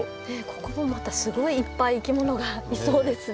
ここもまたすごいいっぱいいきものがいそうですね。